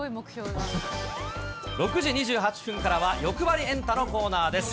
６時２８分からは、よくばりエンタのコーナーです。